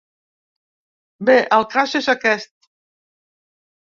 Bé, el cas és aquest.